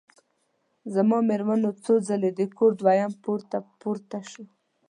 زما مېرمن څو ځلي د کور دویم پوړ ته پورته شوه.